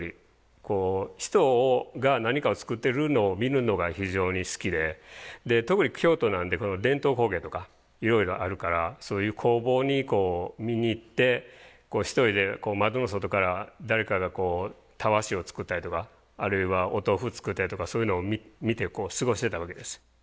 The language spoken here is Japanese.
こう人が何かを作ってるのを見るのが非常に好きで特に京都なんで伝統工芸とかいろいろあるからそういう工房に見に行って一人で窓の外から誰かがタワシを作ったりとかあるいはお豆腐作ったりとかそういうのを見て過ごしてたわけです。